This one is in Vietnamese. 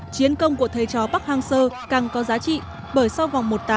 chiến công của thầy chó park hang seo càng có giá trị bởi sau vòng một tám